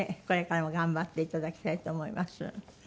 これからも頑張っていただきたいと思います。